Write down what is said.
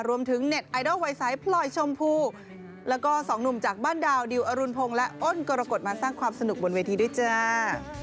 แล้วก็สองหนุ่มจากบ้านดาวดิวอรุณพงษ์และโอนกรกฎมาสร้างความสนุกบนเวทีด้วยจ้า